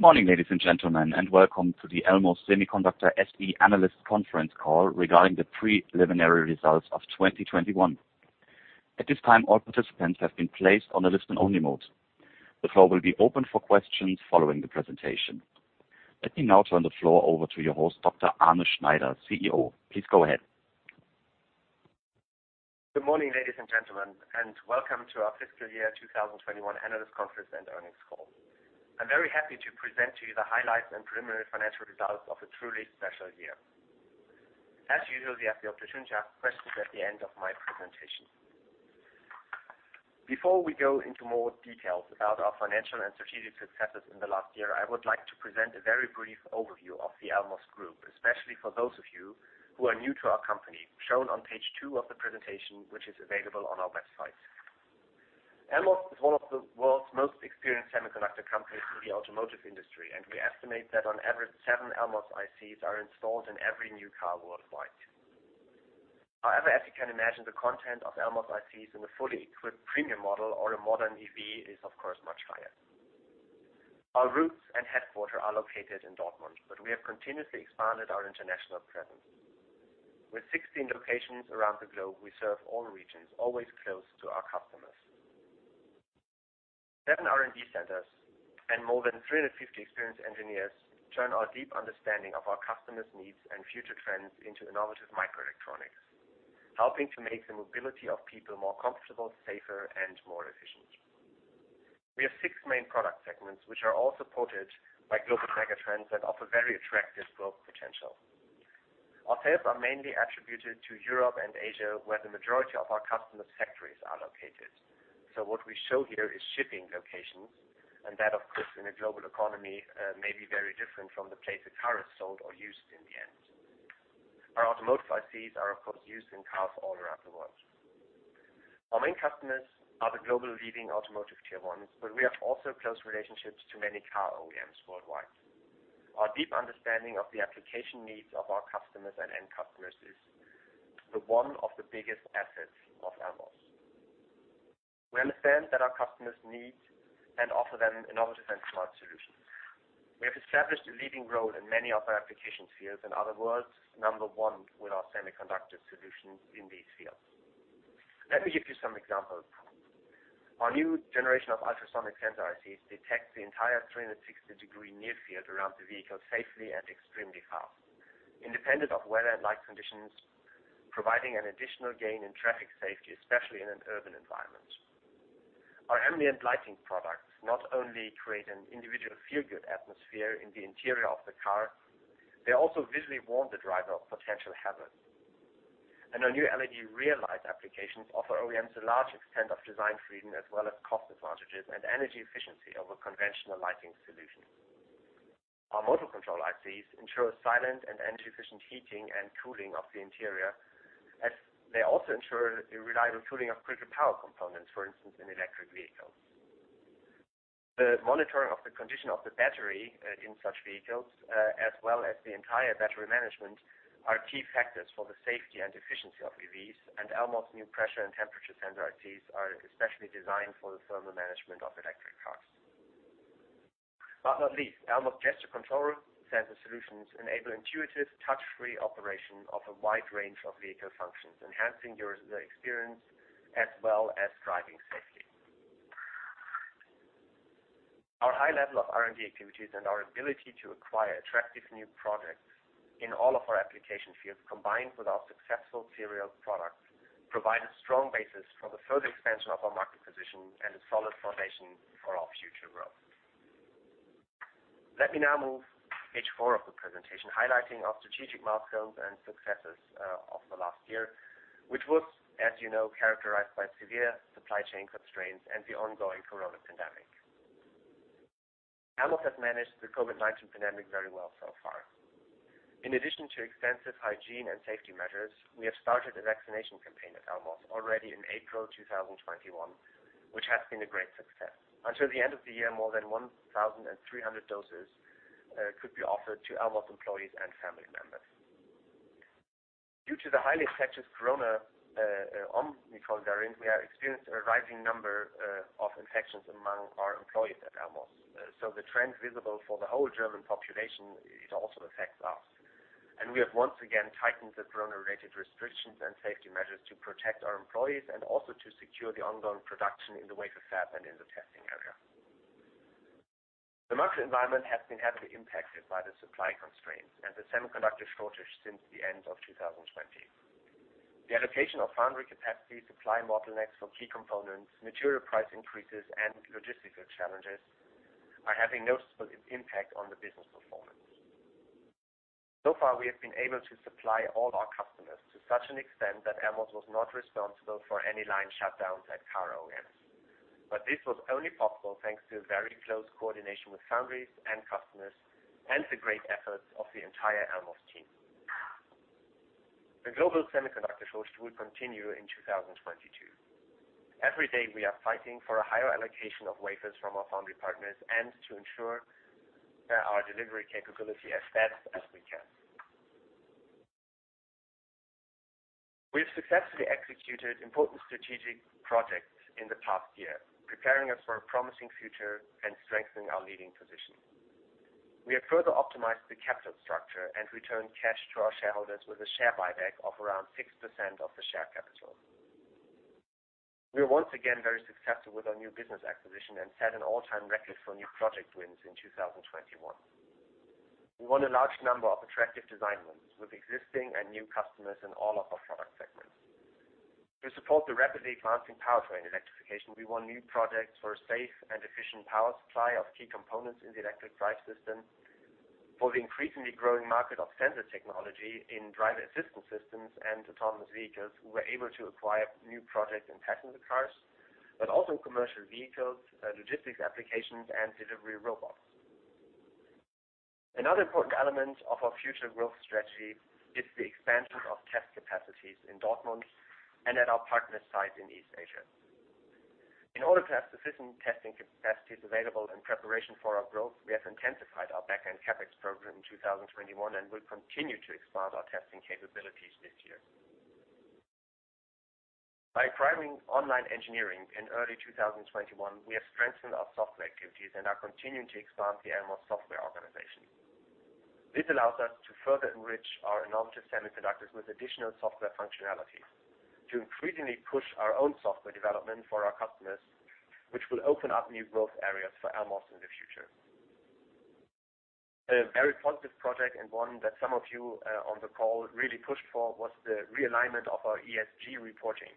Morning, ladies and gentlemen, and welcome to the Elmos Semiconductor SE Analyst Conference Call regarding the preliminary results of 2021. At this time, all participants have been placed on a listen-only mode. The floor will be open for questions following the presentation. Let me now turn the floor over to your host, Dr. Arne Schneider, CEO. Please go ahead. Good morning, ladies and gentlemen, and welcome to our fiscal year 2021 analyst conference and earnings call. I'm very happy to present to you the highlights and preliminary financial results of a truly special year. As usual, you have the opportunity to ask questions at the end of my presentation. Before we go into more details about our financial and strategic successes in the last year, I would like to present a very brief overview of the Elmos Group, especially for those of you who are new to our company, shown on page two of the presentation, which is available on our website. Elmos is one of the world's most experienced semiconductor companies in the automotive industry, and we estimate that on average, seven Elmos ICs are installed in every new car worldwide. However, as you can imagine, the content of Elmos ICs in a fully equipped premium model or a modern EV is, of course, much higher. Our roots and headquarters are located in Dortmund, but we have continuously expanded our international presence. With 16 locations around the globe, we serve all regions, always close to our customers. Seven R&D centers and more than 350 experienced engineers turn our deep understanding of our customers' needs and future trends into innovative microelectronics, helping to make the mobility of people more comfortable, safer, and more efficient. We have six main product segments which are all supported by global megatrends that offer very attractive growth potential. Our sales are mainly attributed to Europe and Asia, where the majority of our customers' factories are located. What we show here is shipping locations and that, of course, in a global economy, may be very different from the place a car is sold or used in the end. Our automotive ICs are, of course, used in cars all around the world. Our main customers are the global leading automotive Tier 1s, but we have also close relationships to many car OEMs worldwide. Our deep understanding of the application needs of our customers and end customers is one of the biggest assets of Elmos. We understand that our customers need and offer them innovative and smart solutions. We have established a leading role in many of our application spheres. In other words, number one with our semiconductor solutions in these fields. Let me give you some examples. Our new generation of ultrasonic sensor ICs detects the entire 360-degree near field around the vehicle safely and extremely fast. Independent of weather and light conditions, providing an additional gain in traffic safety, especially in an urban environment. Our ambient lighting products not only create an individual feel-good atmosphere in the interior of the car, they also visually warn the driver of potential hazards. Our new LED rear light applications offer OEMs a large extent of design freedom as well as cost advantages and energy efficiency over conventional lighting solutions. Our motor control ICs ensure silent and energy-efficient heating and cooling of the interior, as they also ensure a reliable cooling of critical power components, for instance, in electric vehicles. The monitoring of the condition of the battery, in such vehicles, as well as the entire battery management are key factors for the safety and efficiency of EVs. Elmos new pressure and temperature sensor ICs are especially designed for the thermal management of electric cars. Last but not least, Elmos gesture control sensor solutions enable intuitive touch-free operation of a wide range of vehicle functions, enhancing user experience as well as driving safety. Our high level of R&D activities and our ability to acquire attractive new projects in all of our application fields, combined with our successful serial products, provide a strong basis for the further expansion of our market position and a solid foundation for our future growth. Let me now move to page four of the presentation, highlighting our strategic milestones and successes of the last year, which was, as you know, characterized by severe supply chain constraints and the ongoing COVID-19 pandemic. Elmos has managed the COVID-19 pandemic very well so far. In addition to extensive hygiene and safety measures, we have started a vaccination campaign at Elmos already in April 2021, which has been a great success. Until the end of the year, more than 1,300 doses could be offered to Elmos employees and family members. Due to the highly infectious coronavirus Omicron variant, we have experienced a rising number of infections among our employees at Elmos. The trend visible for the whole German population, it also affects us. We have once again tightened the corona-related restrictions and safety measures to protect our employees and also to secure the ongoing production in the wafer fab and in the testing area. The market environment has been heavily impacted by the supply constraints and the semiconductor shortage since the end of 2020. The allocation of foundry capacity, supply bottlenecks for key components, material price increases, and logistical challenges are having noticeable impact on the business performance. So far, we have been able to supply all our customers to such an extent that Elmos was not responsible for any line shutdowns at car OEMs. This was only possible thanks to a very close coordination with foundries and customers and the great efforts of the entire Elmos team. The global semiconductor shortage will continue in 2022. Every day, we are fighting for a higher allocation of wafers from our foundry partners and to ensure that our delivery capability as best as we can. We've successfully executed important strategic projects in the past year, preparing us for a promising future and strengthening our leading position. We have further optimized the capital structure and returned cash to our shareholders with a share buyback of around 6% of the share capital. We are once again very successful with our new business acquisition and set an all-time record for new project wins in 2021. We won a large number of attractive design wins with existing and new customers in all of our product segments. To support the rapidly advancing powertrain electrification, we won new projects for a safe and efficient power supply of key components in the electric drive system. For the increasingly growing market of sensor technology in driver assistance systems and autonomous vehicles, we were able to acquire new projects in passenger cars, but also in commercial vehicles, logistics applications, and delivery robots. Another important element of our future growth strategy is the expansion of test capacities in Dortmund and at our partner site in East Asia. In order to have sufficient testing capacities available in preparation for our growth, we have intensified our back-end CapEx program in 2021, and will continue to expand our testing capabilities this year. By acquiring Online Engineering in early 2021, we have strengthened our software activities and are continuing to expand the Elmos software organization. This allows us to further enrich our innovative semiconductors with additional software functionalities to increasingly push our own software development for our customers, which will open up new growth areas for Elmos in the future. A very positive project, and one that some of you, on the call really pushed for, was the realignment of our ESG reporting,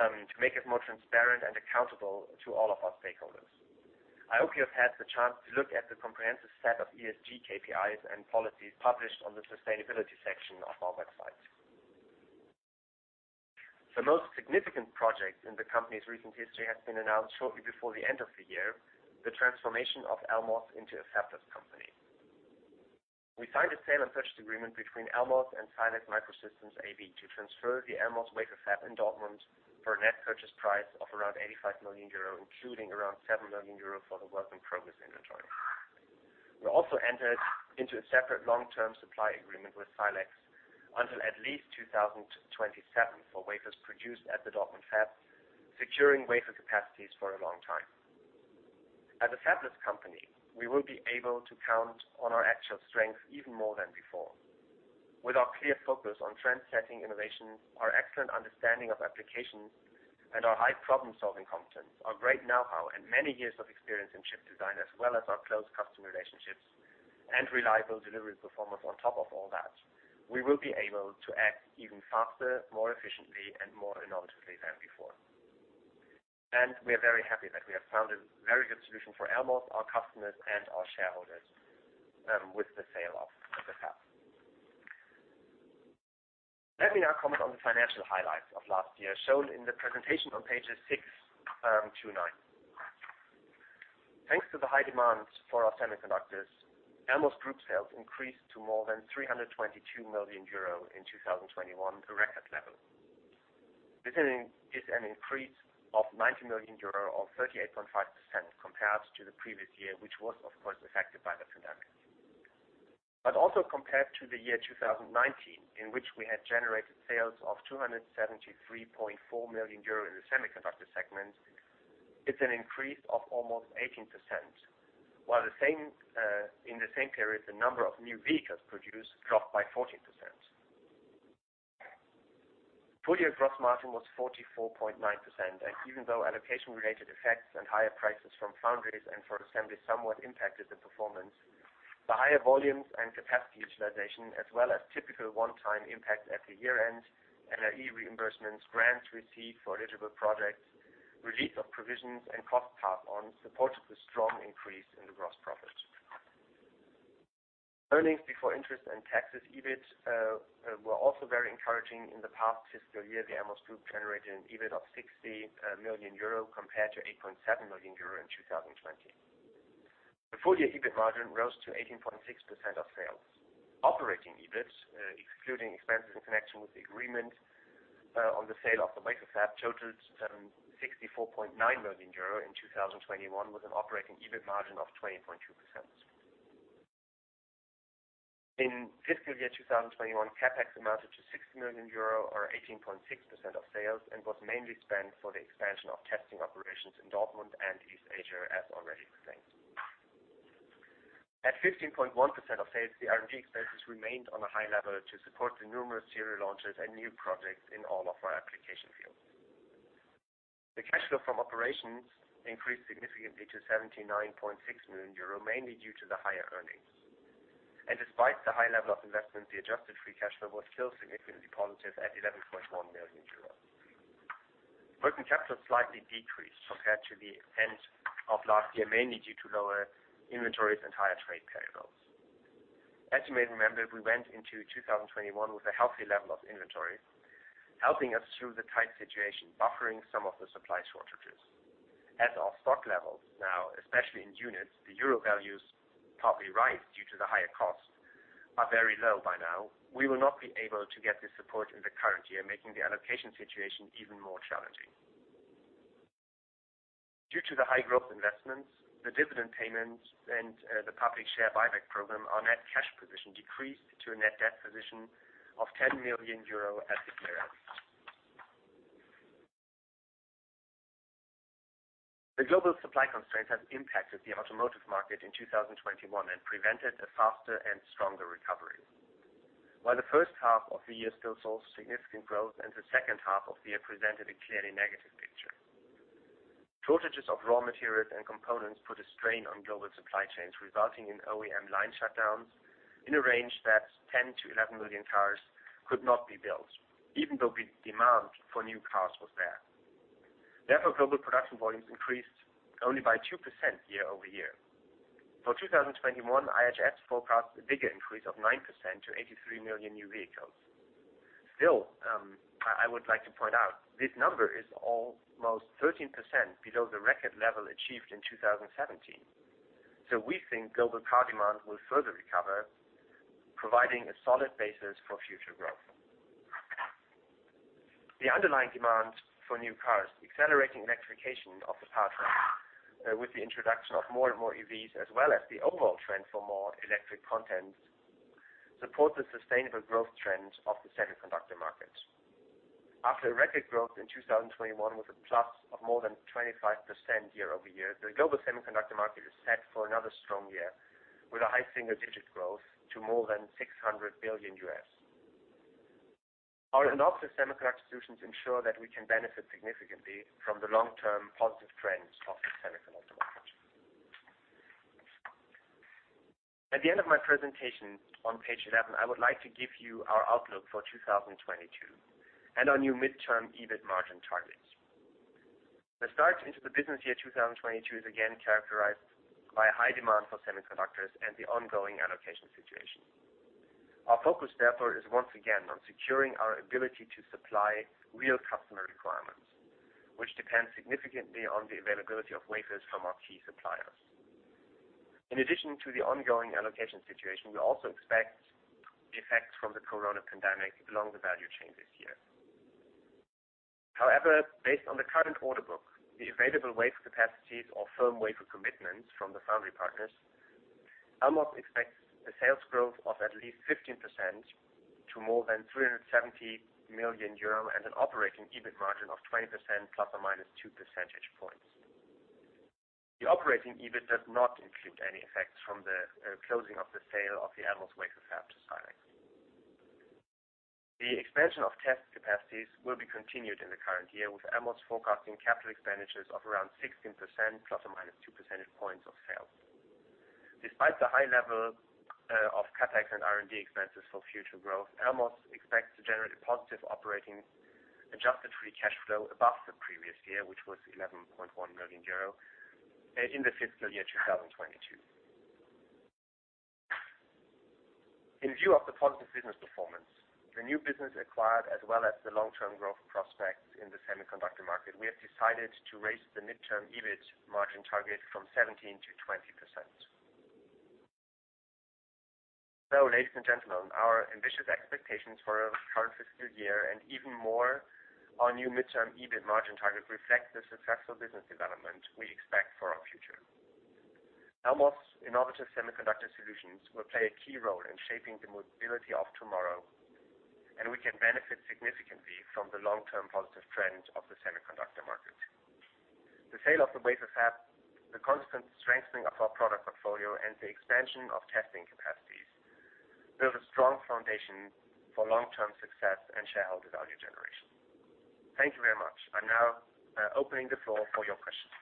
to make it more transparent and accountable to all of our stakeholders. I hope you have had the chance to look at the comprehensive set of ESG KPIs and policies published on the sustainability section of our website. The most significant project in the company's recent history has been announced shortly before the end of the year, the transformation of Elmos into a fabless company. We signed a sale and purchase agreement between Elmos and Silex Microsystems AB to transfer the Elmos wafer fab in Dortmund for a net purchase price of around 85 million euro, including around 7 million euro for the work in progress inventory. We also entered into a separate long-term supply agreement with Silex until at least 2027 for wafers produced at the Dortmund fab, securing wafer capacities for a long time. As a fabless company, we will be able to count on our actual strength even more than before. With our clear focus on trendsetting innovation, our excellent understanding of applications, and our high problem-solving competence, our great know-how, and many years of experience in chip design, as well as our close customer relationships and reliable delivery performance on top of all that, we will be able to act even faster, more efficiently, and more innovatively than before. We are very happy that we have found a very good solution for Elmos, our customers, and our shareholders, with the sale of the fab. Let me now comment on the financial highlights of last year, shown in the presentation on pages six to nine. Thanks to the high demand for our semiconductors, Elmos Group sales increased to more than 322 million euro in 2021, a record level. This is an increase of 90 million euro or 38.5% compared to the previous year, which was of course affected by the pandemic. Also compared to the year 2019, in which we had generated sales of 273.4 million euro in the semiconductor segment, it's an increase of almost 18%. While in the same period, the number of new vehicles produced dropped by 14%. Full-year gross margin was 44.9%. Even though allocation-related effects and higher prices from foundries and for assembly somewhat impacted the performance, the higher volumes and capacity utilization, as well as typical one-time impact at the year-end, NRE reimbursements, grants received for eligible projects, release of provisions, and cost pass on supported the strong increase in the gross profit. Earnings before interest and taxes, EBIT, were also very encouraging. In the past fiscal year, the Elmos Group generated an EBIT of 60 million euro compared to 8.7 million euro in 2020. The full-year EBIT margin rose to 18.6% of sales. Operating EBIT, excluding expenses in connection with the agreement on the sale of the wafer fab, totaled 64.9 million euro in 2021, with an operating EBIT margin of 20.2%. In fiscal year 2021, CapEx amounted to 60 million euro or 18.6% of sales and was mainly spent for the expansion of testing operations in Dortmund and East Asia, as already explained. At 15.1% of sales, the R&D expenses remained on a high level to support the numerous serial launches and new projects in all of our application fields. The cash flow from operations increased significantly to 79.6 million euro, mainly due to the higher earnings. Despite the high level of investment, the adjusted free cash flow was still significantly positive at 11.1 million euros. Working capital slightly decreased compared to the end of last year, mainly due to lower inventories and higher trade payables. As you may remember, we went into 2021 with a healthy level of inventory, helping us through the tight situation, buffering some of the supply shortages. At our stock levels now, especially in units, the euro values probably rise due to the higher costs, are very low by now. We will not be able to get this support in the current year, making the allocation situation even more challenging. Due to the high growth investments, the dividend payments and the public share buyback program, our net cash position decreased to a net debt position of 10 million euro at the year end. The global supply constraints have impacted the automotive market in 2021 and prevented a faster and stronger recovery. While the first half of the year still saw significant growth and the second half of the year presented a clearly negative picture. Shortages of raw materials and components put a strain on global supply chains, resulting in OEM line shutdowns in a range that 10-11 million cars could not be built, even though the demand for new cars was there. Therefore, global production volumes increased only by 2% year-over-year. For 2021, IHS forecasts a bigger increase of 9% to 83 million new vehicles. Still, I would like to point out this number is almost 13% below the record level achieved in 2017. We think global car demand will further recover, providing a solid basis for future growth. The underlying demand for new cars, accelerating electrification of the powertrain, with the introduction of more and more EVs, as well as the overall trend for more electric content, support the sustainable growth trends of the semiconductor market. After a record growth in 2021, with a plus of more than 25% year-over-year, the global semiconductor market is set for another strong year with a high single-digit growth to more than $600 billion. Our innovative semiconductor solutions ensure that we can benefit significantly from the long-term positive trends of the semiconductor market. At the end of my presentation on page 11, I would like to give you our outlook for 2022 and our new midterm EBIT margin targets. The start into the business year 2022 is again characterized by high demand for semiconductors and the ongoing allocation situation. Our focus, therefore, is once again on securing our ability to supply real customer requirements, which depends significantly on the availability of wafers from our key suppliers. In addition to the ongoing allocation situation, we also expect the effects from the COVID pandemic along the value chain this year. However, based on the current order book, the available wafer capacities or firm wafer commitments from the foundry partners, Elmos expects a sales growth of at least 15% to more than 370 million euro and an operating EBIT margin of 20% ± 2 percentage points. The operating EBIT does not include any effects from the closing of the sale of the Elmos wafer fab to Silex. The expansion of test capacities will be continued in the current year, with Elmos forecasting capital expenditures of around 16% ± 2 percentage points of sales. Despite the high level of CapEx and R&D expenses for future growth, Elmos expects to generate a positive operating adjusted free cash flow above the previous year, which was 11.1 million euro in the fiscal year 2022. In view of the positive business performance, the new business acquired as well as the long-term growth prospects in the semiconductor market, we have decided to raise the midterm EBIT margin target from 17%-20%. Ladies and gentlemen, our ambitious expectations for our current fiscal year and even more our new midterm EBIT margin target reflect the successful business development we expect for our future. Elmos innovative semiconductor solutions will play a key role in shaping the mobility of tomorrow, and we can benefit significantly from the long-term positive trends of the semiconductor market. The sale of the wafer fab, the constant strengthening of our product portfolio, and the expansion of testing capacities build a strong foundation for long-term success and shareholder value generation. Thank you very much. I'm now opening the floor for your questions.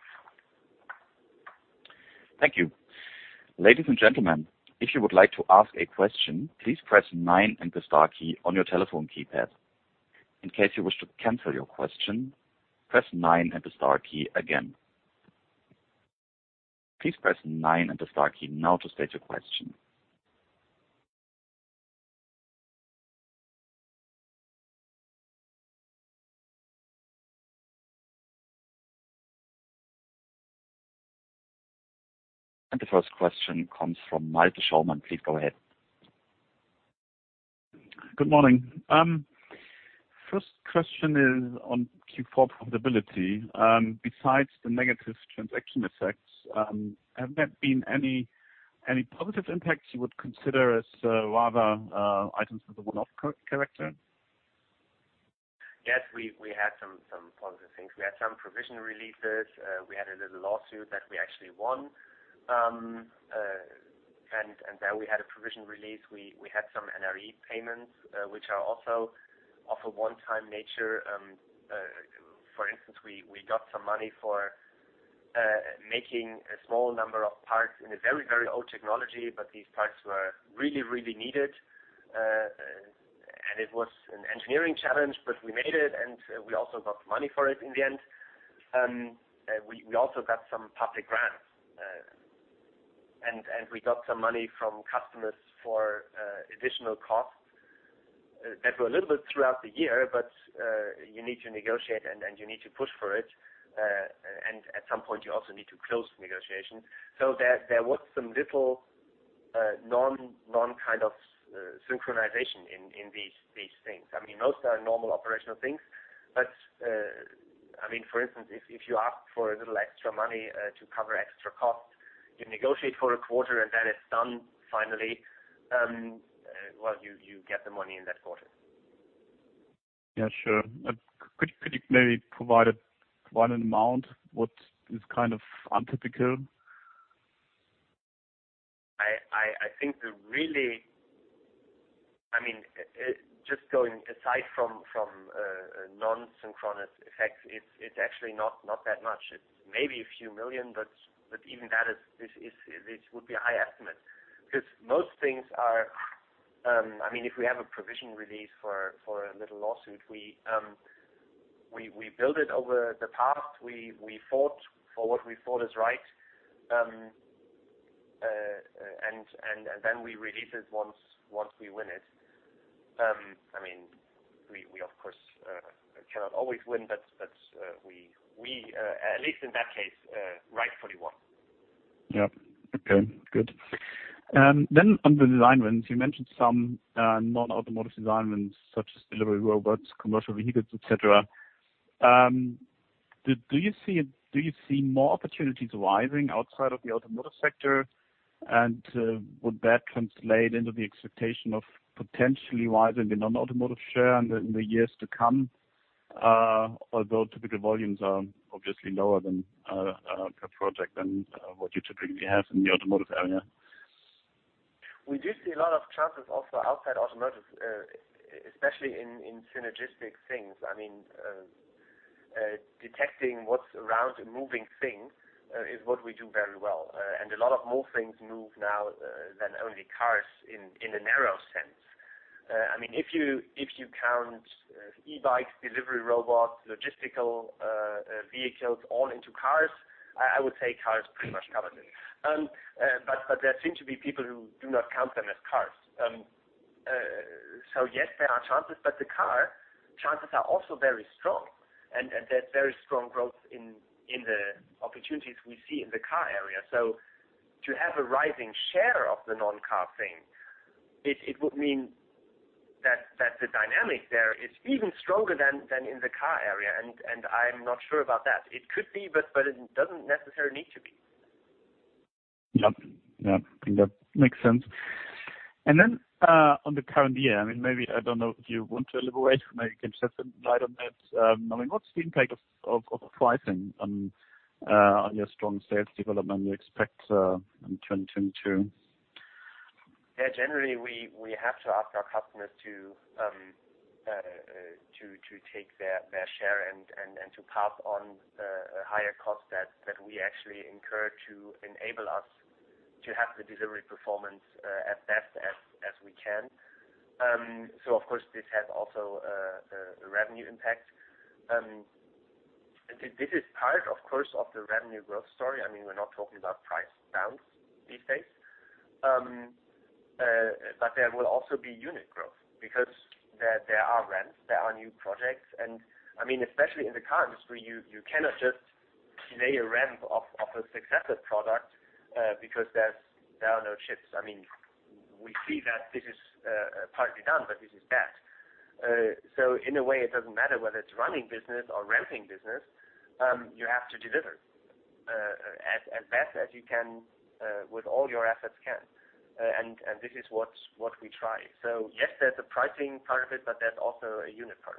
The 1st question comes from Malte Schaumann. Please go ahead. Good morning. 1st question is on Q4 profitability. Besides the negative transaction effects, have there been any positive impacts you would consider as, rather, items of the one-off character? Yes, we had some positive things. We had some provision releases. We had a little lawsuit that we actually won. There we had a provision release. We had some NRE payments, which are also of a one-time nature. For instance, we got some money for making a small number of parts in a very old technology, but these parts were really needed. It was an engineering challenge, but we made it, and we also got money for it in the end. We also got some public grants, and we got some money from customers for additional costs that were a little bit throughout the year, but you need to negotiate and you need to push for it. At some point, you also need to close the negotiation. There was some little non kind of synchronization in these things. I mean, those are normal operational things. I mean, for instance, if you ask for a little extra money to cover extra costs, you negotiate for a quarter and then it's done finally, well, you get the money in that quarter. Yeah, sure. Could you maybe provide one amount what is kind of untypical? I think, really, I mean, just going aside from non-recurring effects, it's actually not that much. It's maybe a few million EUR, but even that is a high estimate. Because most things are, I mean, if we have a provision release for a little lawsuit, we built it over the past. We fought for what we thought is right, and then we release it once we win it. I mean, we of course cannot always win, but we at least in that case rightfully won. Okay, good. On the design wins, you mentioned some non-automotive design wins such as delivery robots, commercial vehicles, et cetera. Do you see more opportunities arising outside of the automotive sector? Would that translate into the expectation of potentially rising non-automotive share in the years to come, although typically volumes are obviously lower per project than what you typically have in the automotive area? We do see a lot of chances also outside automotive, especially in synergistic things. I mean, detecting what's around moving things is what we do very well. A lot of more things move now than only cars in the narrow sense. I mean, if you count e-bikes, delivery robots, logistical vehicles all into cars, I would say cars pretty much cover this. There seem to be people who do not count them as cars. Yes, there are chances, but the car chances are also very strong, and there's very strong growth in the opportunities we see in the car area. To have a rising share of the non-car thing, it would mean that the dynamic there is even stronger than in the car area. I'm not sure about that. It could be, but it doesn't necessarily need to be. Yep. That makes sense. On the current year, I mean, maybe, I don't know if you want to elaborate, maybe you can shed some light on that. I mean, what's the impact of pricing on your strong sales development you expect in 2022? Generally, we have to ask our customers to take their share and to pass on a higher cost that we actually incur to enable us to have the delivery performance as best as we can. Of course, this has also a revenue impact. This is part, of course, of the revenue growth story. I mean, we're not talking about price downs these days. There will also be unit growth because there are ramps, there are new projects. I mean, especially in the car industry, you cannot just lay a ramp of a successive product because there are no chips. I mean, we see that this is partly done, but this is bad. In a way, it doesn't matter whether it's running business or ramping business, you have to deliver, as best as you can, with all your assets can. This is what we try. Yes, there's a pricing part of it, but there's also a unit part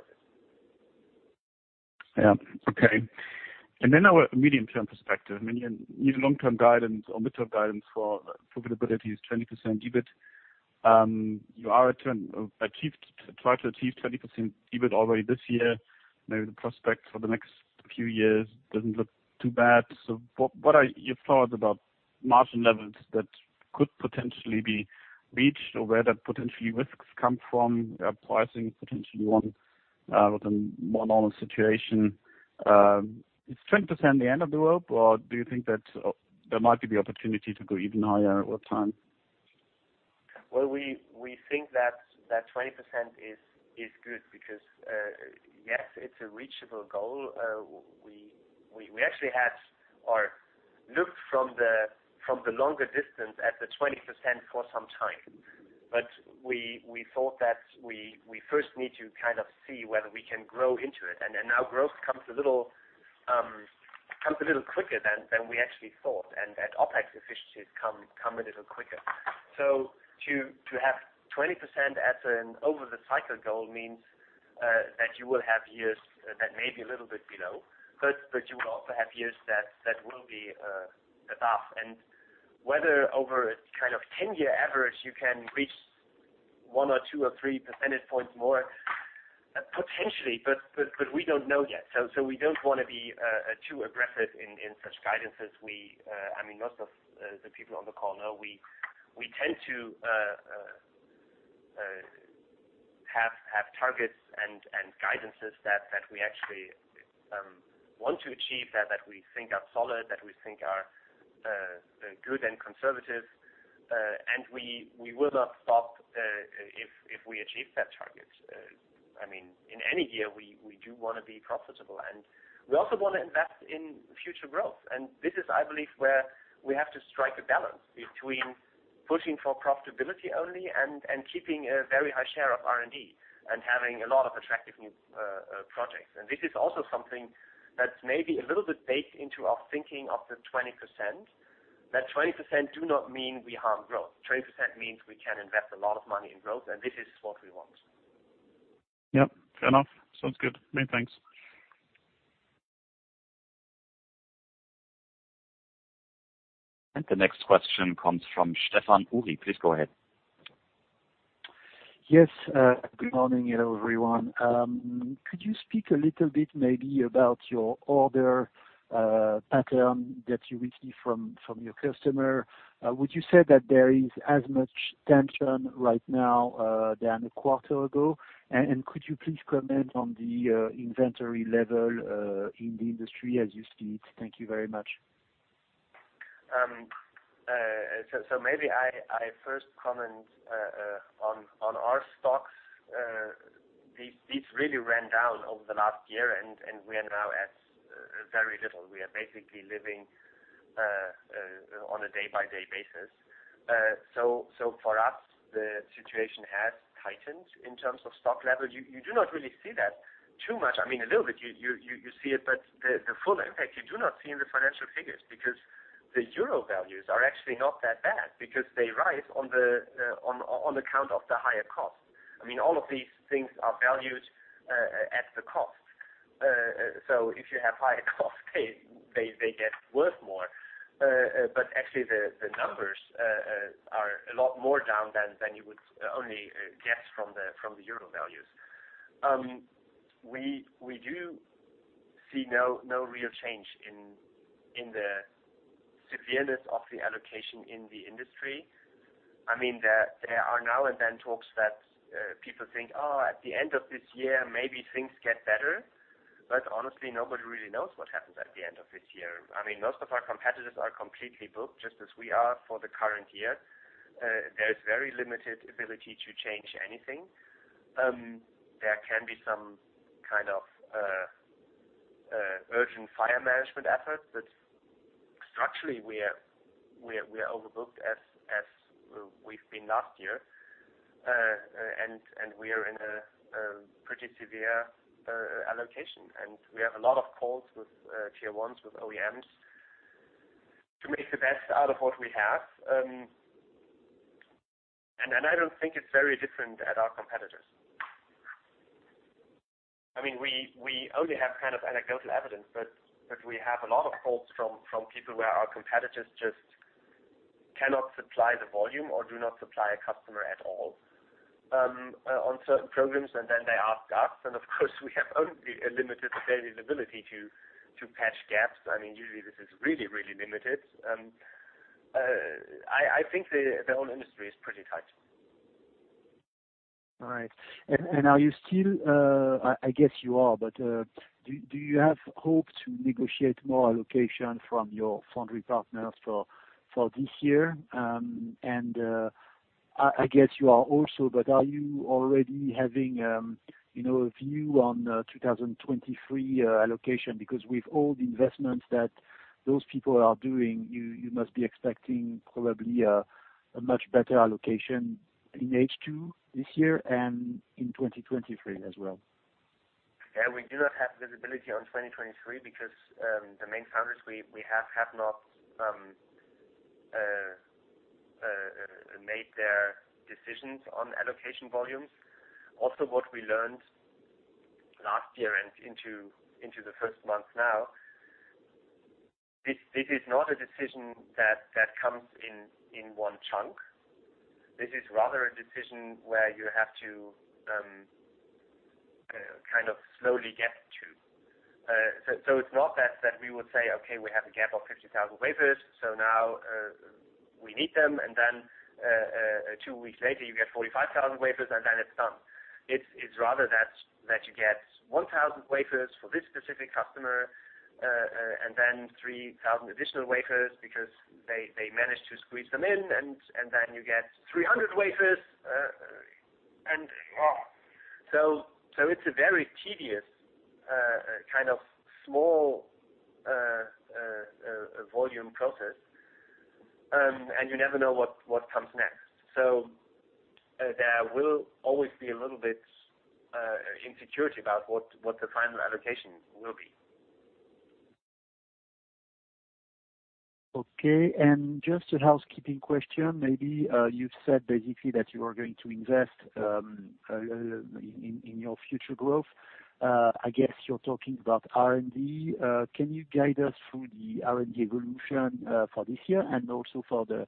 of it. Yeah. Okay. Our medium-term perspective. I mean, your long-term guidance or midterm guidance for profitability is 20% EBIT. You try to achieve 20% EBIT already this year. Maybe the prospect for the next few years doesn't look too bad. What are your thoughts about margin levels that could potentially be reached or where that potentially risks come from, pricing potentially on, with a more normal situation? Is 20% the end of the world, or do you think that there might be the opportunity to go even higher over time? Well, we think that 20% is good because, yes, it's a reachable goal. We actually had or looked from the longer distance at the 20% for some time. We thought that we first need to kind of see whether we can grow into it. Now growth comes a little quicker than we actually thought, and that OpEx efficiencies come a little quicker. To have 20% as an over the cycle goal means that you will have years that may be a little bit below, but you will also have years that will be above. Whether over a kind of ten-year average, you can reach one or two or three percentage points more, potentially, but we don't know yet. We don't wanna be too aggressive in such guidances. I mean, most of the people on the call know we tend to have targets and guidances that we actually want to achieve, that we think are solid, that we think are good and conservative. We will not stop if we achieve that target. I mean, in any year we do wanna be profitable, and we also wanna invest in future growth. This is, I believe, where we have to strike a balance between pushing for profitability only and keeping a very high share of R&D and having a lot of attractive new projects. This is also something that's maybe a little bit baked into our thinking of the 20%. That 20% do not mean we harm growth. 20% means we can invest a lot of money in growth, and this is what we want. Yep. Fair enough. Sounds good. Many thanks. The next question comes from Stefan Uri. Please go ahead. Yes. Good morning. Hello, everyone. Could you speak a little bit maybe about your order pattern that you receive from your customer? Would you say that there is as much tension right now than a quarter ago? Could you please comment on the inventory level in the industry as you see it? Thank you very much. Maybe I 1st comment on our stocks. These really ran down over the last year, and we are now at very little. We are basically living on a day-by-day basis. For us, the situation has tightened in terms of stock levels. You do not really see that too much. I mean, a little bit you see it, but the full impact you do not see in the financial figures because the euro values are actually not that bad because they rise on account of the higher cost. I mean, all of these things are valued at the cost. If you have higher costs, they get worth more. Actually, the numbers are a lot more down than you would only guess from the euro values. We do see no real change in the severity of the allocation in the industry. I mean, there are now and then talks that people think, Oh, at the end of this year, maybe things get better. Honestly, nobody really knows what happens at the end of this year. I mean, most of our competitors are completely booked, just as we are for the current year. There is very limited ability to change anything. There can be some kind of urgent fire management effort, but structurally we are overbooked as we've been last year. We are in a pretty severe allocation. We have a lot of calls with Tier 1s, with OEMs, to make the best out of what we have. I don't think it's very different at our competitors. I mean, we only have kind of anecdotal evidence, but we have a lot of calls from people where our competitors just cannot supply the volume or do not supply a customer at all, on certain programs, and then they ask us. Of course, we have only a limited availability to patch gaps. I mean, usually this is really limited. I think the whole industry is pretty tight. All right. Are you still, I guess you are, but do you have hope to negotiate more allocation from your foundry partners for this year? I guess you are also, but are you already having, you know, a view on 2023 allocation? Because with all the investments that those people are doing, you must be expecting probably a much better allocation in H2 this year and in 2023 as well. Yeah, we do not have visibility on 2023 because the main foundries we have not made their decisions on allocation volumes. Also, what we learned last year and into the 1st month now, this is not a decision that comes in one chunk. This is rather a decision where you have to kind of slowly get to. It's not that we would say, Okay, we have a gap of 50,000 wafers, so now we need them, and then two weeks later you get 45,000 wafers, and then it's done. It's rather that you get 1,000 wafers for this specific customer, and then 3,000 additional wafers because they managed to squeeze them in, and then you get 300 wafers. It's a very tedious kind of small volume process. You never know what comes next. There will always be a little bit uncertainty about what the final allocation will be. Okay. Just a housekeeping question, maybe. You've said basically that you are going to invest in your future growth. I guess you're talking about R&D. Can you guide us through the R&D evolution for this year and also for the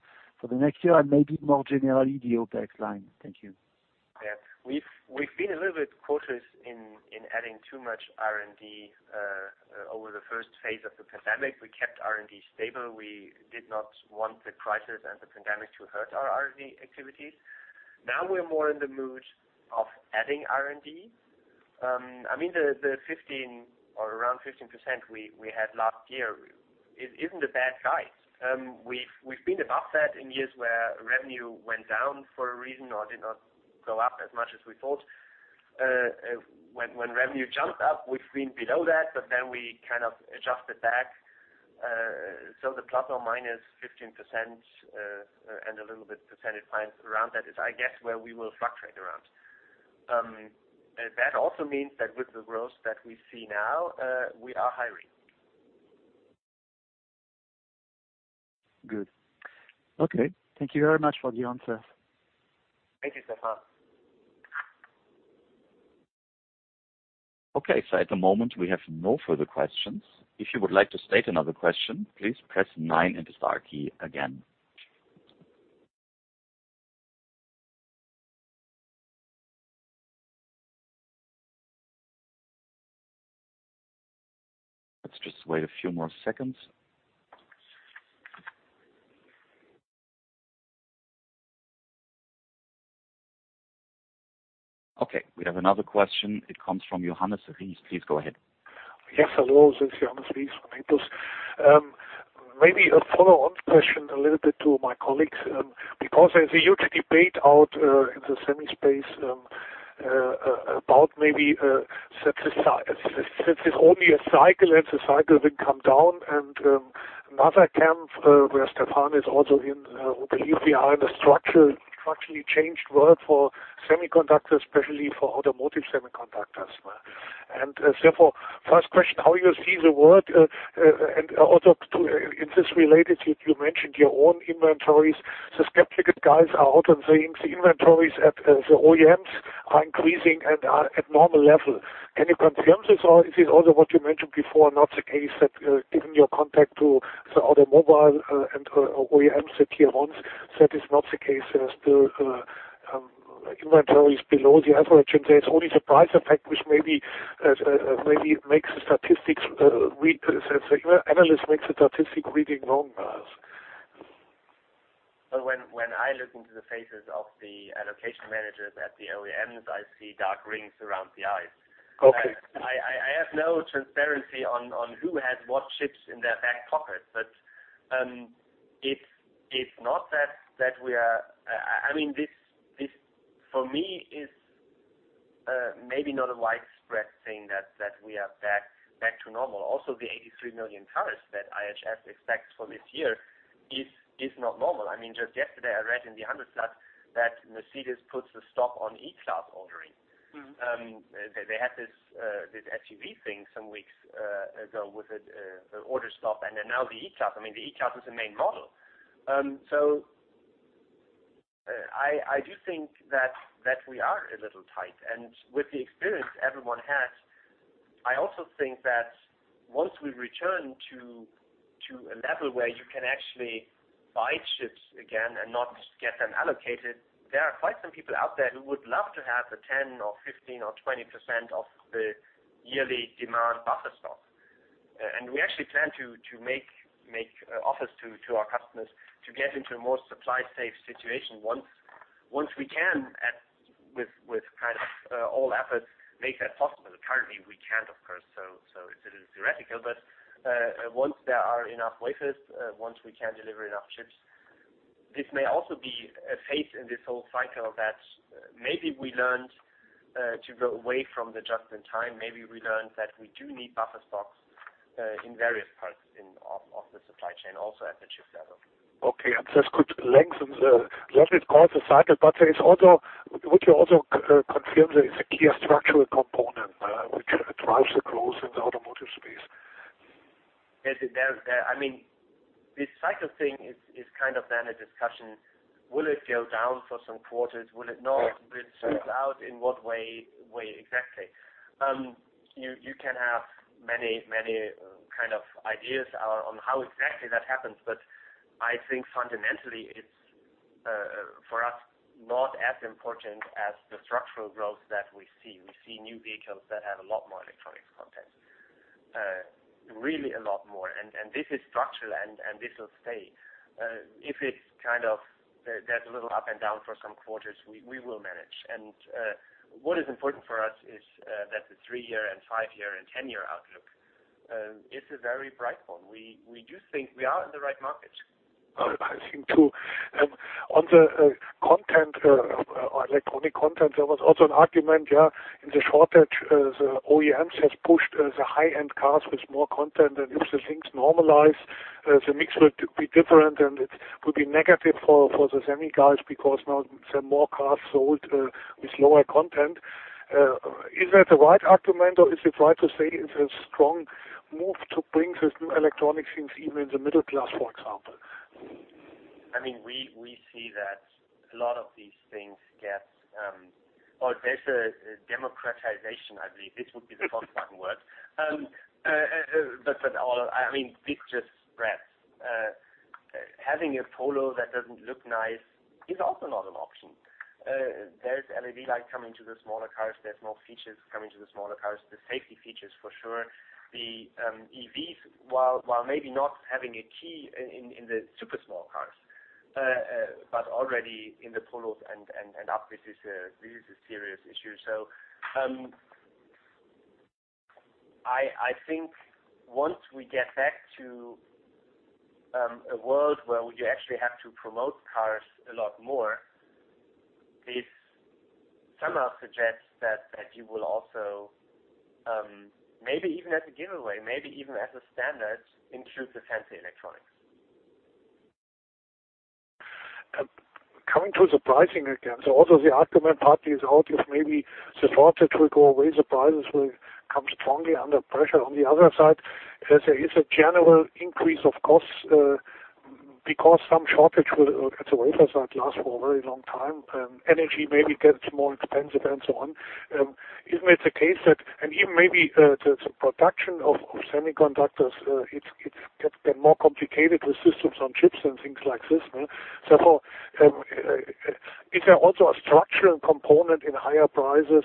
next year, and maybe more generally, the OpEx line? Thank you. Yeah. We've been a little bit cautious in adding too much R&D over the phase l of the pandemic. We kept R&D stable. We did not want the crisis and the pandemic to hurt our R&D activities. Now we're more in the mood of adding R&D. I mean the 15% or around 15% we had last year. It isn't a bad guide. We've been above that in years where revenue went down for a reason or did not go up as much as we thought. When revenue jumped up, we've been below that, but then we kind of adjusted back. The ±15%, and a little bit percentage points around that is, I guess, where we will fluctuate around. That also means that with the growth that we see now, we are hiring. Good. Okay. Thank you very much for the answer. Thank you, Stefan. Okay, at the moment, we have no further questions. If you would like to state another question, please press nine and the star key again. Let's just wait a few more seconds. Okay, we have another question. It comes from Johannes Rieß. Please go ahead. Yes, hello. This is Johannes Rieß from Reuters. Maybe a follow-on question a little bit to my colleagues, because there's a huge debate out in the semi space about maybe since it's only a cycle, and the cycle will come down. Another camp where Stefan is also in believe we are in a structurally changed world for semiconductors, especially for automotive semiconductors. Therefore, first question, how you see the world and also in this regard, you mentioned your own inventories. The skeptical guys are out and saying the inventories at the OEMs are increasing and are at normal level. Can you confirm this, or is it also what you mentioned before, not the case that, given your contact to the other module and OEMs that you want, that is not the case. Still, inventories below the average, and there's only surprise effect, which maybe makes the statistics reading wrong. When I look into the faces of the allocation managers at the OEMs, I see dark rings around the eyes. Okay. I have no transparency on who has what chips in their back pocket. It's not that we are. I mean, this for me is maybe not a widespread thing that we are back to normal. Also, the 83 million cars that IHS expects for this year is not normal. I mean, just yesterday, I read in the Handelsblatt that Mercedes puts a stop on E-Class ordering. They had this SUV thing some weeks ago with a order stop, and then now the E-Class. I mean, the E-Class is the main model. I do think that we are a little tight. With the experience everyone has, I also think that once we return to a level where you can actually buy chips again and not get them allocated, there are quite some people out there who would love to have the 10% or 15% or 20% of the yearly demand buffer stock. We actually plan to make offers to our customers to get into a more supply safe situation once we can, with all efforts, make that possible. Currently, we can't, of course, so it's a little theoretical. Once there are enough wafers, once we can deliver enough chips, this may also be a phase in this whole cycle that maybe we learned to go away from the just-in-time. Maybe we learned that we do need buffer stocks in various parts of the supply chain, also at the chip level. Okay. This could lengthen, of course, the cycle, but would you also confirm there is a key structural component, which drives the growth in the automotive space? I mean, this cycle thing is kind of the end of a discussion. Will it go down for some quarters? Will it not? Will it smooth out? In what way exactly? You can have many kind of ideas on how exactly that happens. I think fundamentally it's for us not as important as the structural growth that we see. We see new vehicles that have a lot more electronics content, really a lot more. This is structural, and this will stay. If it's kind of there's a little up and down for some quarters, we will manage. What is important for us is that the three-year and five-year and ten-year outlook is a very bright one? We do think we are in the right market. I think, too. On the content or electronic content, there was also an argument, yeah, in the shortage, the OEMs has pushed the high-end cars with more content. If the things normalize, the mix will be different, and it will be negative for the semi guys because now there are more cars sold with lower content. Is that the right argument, or is it right to say it's a strong move to bring these new electronic things even in the middle class, for example? I mean, we see that a lot of these things. There's a democratization, I believe. This would be the most common word. But all—I mean, it's just breadth. Having a Polo that doesn't look nice is also not an option. There's LED light coming to the smaller cars. There's more features coming to the smaller cars. The safety features, for sure. The EVs, while maybe not having a key in in the super small cars, but already in the Polos and up, this is a serious issue. I think once we get back to a world where we actually have to promote cars a lot more, this somehow suggests that you will also maybe even as a giveaway, maybe even as a standard, include the fancy electronics. Coming to the pricing again. Also the argument partly is how if maybe the shortage will go away, the prices will come strongly under pressure. On the other side, there is a general increase of costs, because some shortage will, at the wafer side, last for a very long time, energy maybe gets more expensive and so on. Isn't it the case that even maybe the production of semiconductors, it's getting more complicated with systems on chips and things like this, ne? Is there also a structural component in higher prices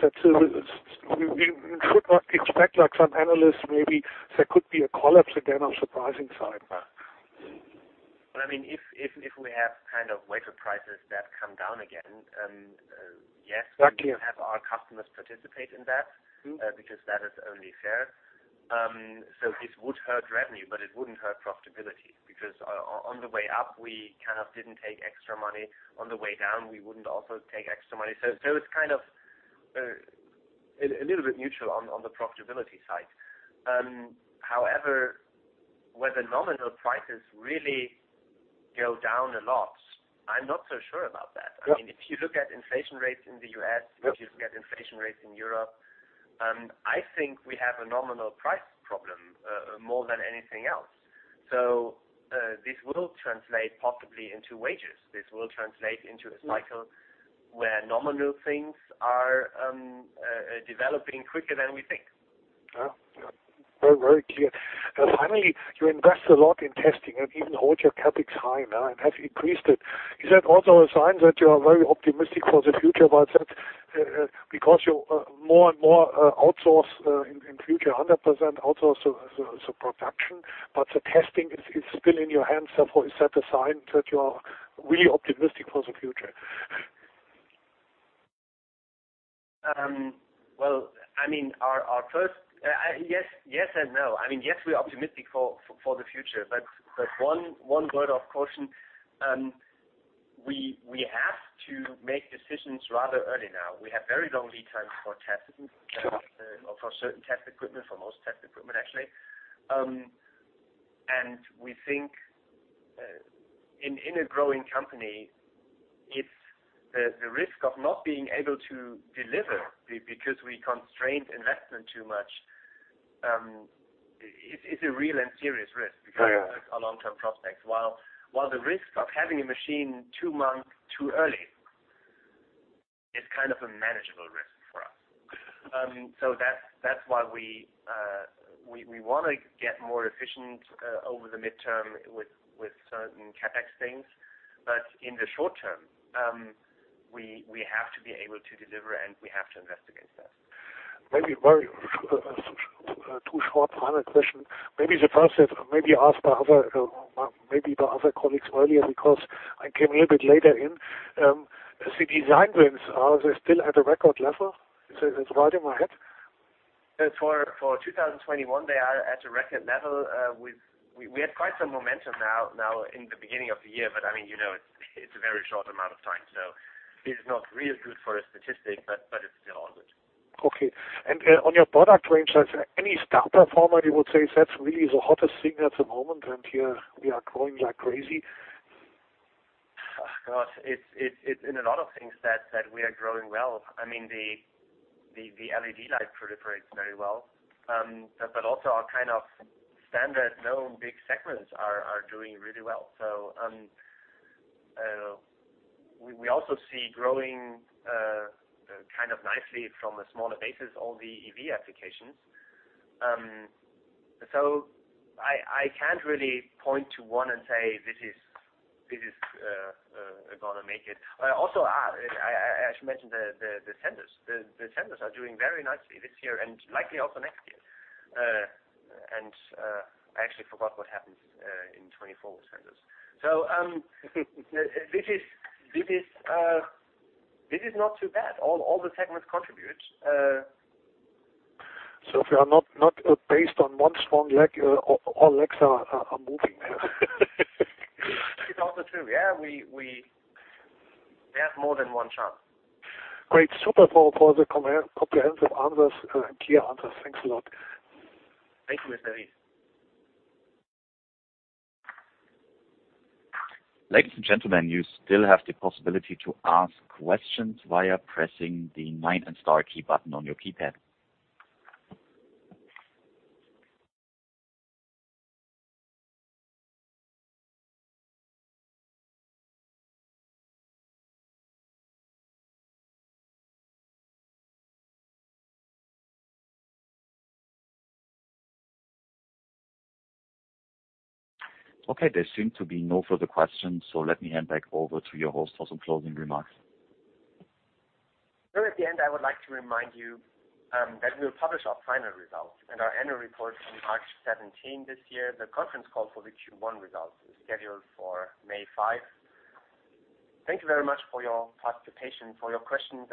set to stay? We should not expect like some analysts, maybe there could be a collapse again on supply side. Well, I mean, if we have kind of wafer prices that come down again. Exactly. We will have our customers participate in that. Mm-hmm. Because that is only fair. This would hurt revenue, but it wouldn't hurt profitability because on the way up, we kind of didn't take extra money. On the way down, we wouldn't also take extra money. It's kind of a little bit neutral on the profitability side. However, whether nominal prices really go down a lot, I'm not so sure about that. Yeah. I mean, if you look at inflation rates in the US- Yep. If you look at inflation rates in Europe, I think we have a nominal price problem, more than anything else. This will translate possibly into wages. This will translate into a cycle where nominal things are developing quicker than we think. Oh, yeah. Very, very clear. Finally, you invest a lot in testing and even hold your CapEx high now and have increased it. Is that also a sign that you are very optimistic for the future about that, because you more and more outsource in future 100% outsource the production, but the testing is still in your hands, therefore is that a sign that you are really optimistic for the future? Well, I mean, yes and no. I mean, yes, we are optimistic for the future. One word of caution, we have to make decisions rather early now. We have very long lead times for testing. Sure. or for certain test equipment, for most test equipment, actually. We think, in a growing company, if the risk of not being able to deliver because we constrained investment too much, it's a real and serious risk. Yeah. Because it hurts our long-term prospects. While the risk of having a machine two months too early is kind of a manageable risk for us. That's why we wanna get more efficient over the midterm with certain CapEx things. In the short term, we have to be able to deliver, and we have to investigate that. Maybe the 1st is maybe asked by others earlier, because I came a little bit later in. The design wins, are they still at a record level? Is that right in my head? For 2021, they are at a record level. We had quite some momentum now in the beginning of the year, but I mean, you know, it's a very short amount of time, so it's not really good for a statistic, but it's still all good. Okay. On your product range, like any star performer you would say that's really the hottest thing at the moment, and here we are growing like crazy? Oh, God. It's in a lot of things that we are growing well. I mean, the LED light proliferates very well. Our kind of standard known big segments are doing really well. We also see growing kind of nicely from a smaller basis, all the EV applications. I can't really point to one and say, This is gonna make it. Also, I should mention the sensors. The sensors are doing very nicely this year and likely also next year. I actually forgot what happens in 2024 with sensors. This is not too bad. All the segments contribute. If you are not based on one strong leg, all legs are moving there. It's also true. Yeah, we have more than one charm. Great. Super for the comprehensive answers, clear answers. Thanks a lot. Thank you, Johannes. Ladies and gentlemen, you still have the possibility to ask questions via pressing the nine and star key button on your keypad. Okay, there seem to be no further questions, so let me hand back over to your host for some closing remarks. Here at the end, I would like to remind you that we'll publish our final results and our annual report on March 17 this year. The conference call for the Q1 results is scheduled for May 5. Thank you very much for your participation, for your questions.